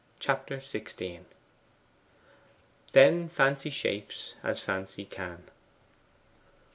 Chapter XVI 'Then fancy shapes as fancy can.